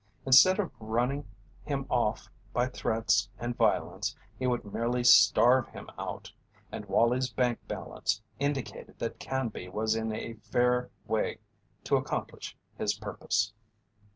Instead of running him off by threats and violence he would merely starve him out, and Wallie's bank balance indicated that Canby was in a fair way to accomplish his purpose.